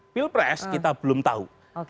pilpres kita belum tahu